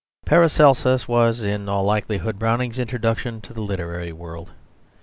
Paracelsus was in all likelihood Browning's introduction to the literary world.